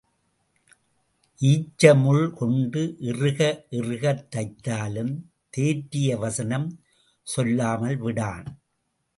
ஈச்ச முள் கொண்டு இறுக இறுகத் தைத்தாலும் தேற்றிய வசனம் சொல்லாமல் விடான்.